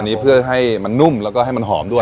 นี้เพื่อให้มันนุ่มแล้วก็ให้มันหอมด้วย